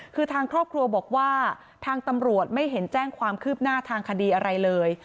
คือทางครอบครัวบอกว่าทางตำรวจไม่เห็นแจ้งความคืบหน้าทางคดีอะไรเลย